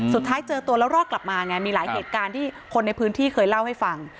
สุดท้ายเจอตัวแล้วรอดกลับมาไงมีหลายเหตุการณ์ที่คนในพื้นที่เคยเล่าให้ฟัง